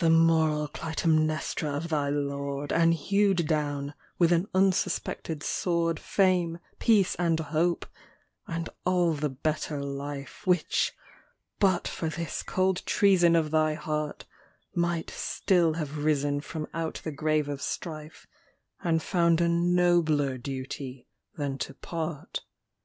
The moral Clytemnestra of thy lord, And hewed down, with an unsuspected sword, Fame, peace, and hope and all the better life Which, but for this cold treason of thy heart, Might still have risen from out the grave of strife, And found a nobler duty than to part.